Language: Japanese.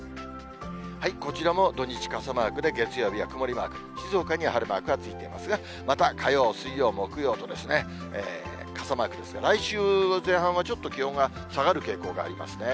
こちらも土日傘マークで、月曜日は曇りマーク、静岡には晴れマークがついていますが、また火曜、水曜、木曜と傘マークですが、来週前半はちょっと気温が下がる傾向がありますね。